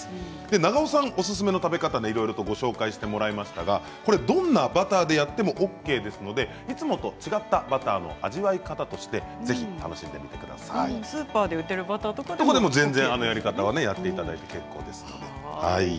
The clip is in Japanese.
長尾さんおすすめの食べ方いろいろご紹介してもらいましたがどんなバターでやってもＯＫですのでいつもと違ったバターの味わい方としてスーパーで売っているバターとかでもＯＫなんですね。